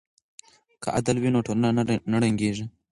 که عدل وي نو ټولنه نه ړنګیږي.